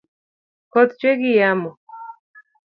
Koth chwe gi yamo